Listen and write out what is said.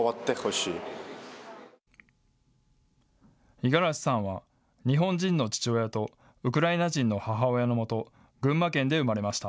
五十嵐さんは日本人の父親とウクライナ人の母親のもと群馬県で生まれました。